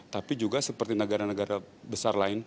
tapi juga seperti negara negara besar lain